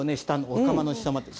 お釜の下まで。